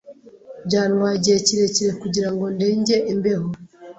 Byantwaye igihe kirekire kugira ngo ndenge imbeho.